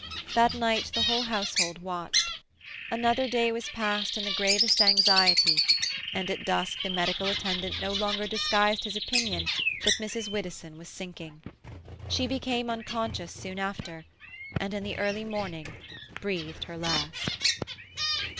That night the whole household watched. Another day was passed in the gravest anxiety, and at dusk the medical attendant no longer disguised his opinion that Mrs. Widdowson was sinking. She became unconscious soon after, and in the early morning breathed her last.